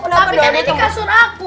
tapi tadi ini kasur aku